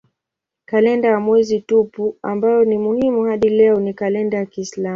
Kalenda ya mwezi tupu ambayo ni muhimu hadi leo ni kalenda ya kiislamu.